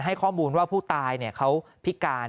ให้ข้อมูลว่าผู้ตายเขาพิการ